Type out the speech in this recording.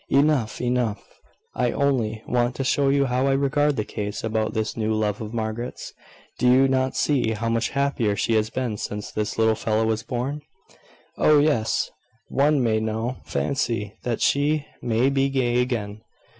"Enough, enough. I only want to show you how I regard the case about this new love of Margaret's. Do you not see how much happier she has been since this little fellow was born?" "Oh, yes." "One may now fancy that she may be gay again.